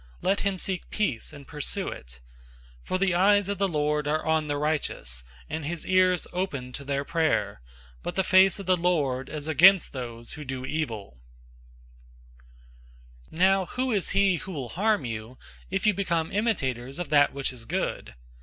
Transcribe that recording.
Let him seek peace, and pursue it. 003:012 For the eyes of the Lord are on the righteous, and his ears open to their prayer; but the face of the Lord is against those who do evil."{Psalm 34:12 16} 003:013 Now who is he who will harm you, if you become imitators of that which is good?